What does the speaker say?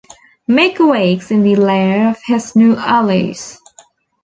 Mick awakes in the lair of his new allies.